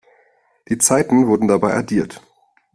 Die Zeiten wurden dabei addiert.